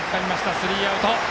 スリーアウト。